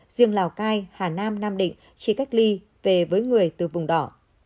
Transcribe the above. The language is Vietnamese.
riêng lào cai hà nam nam định chỉ cách ly về với người từ vùng đỏ